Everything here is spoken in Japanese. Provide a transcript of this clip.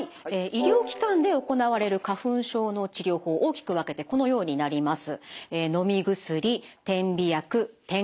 医療機関で行われる花粉症の治療法大きく分けてこのようになります。